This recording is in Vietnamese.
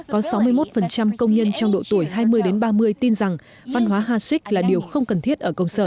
có sáu mươi một công nhân trong độ tuổi hai mươi đến ba mươi tin rằng văn hóa hasek là điều không cần thiết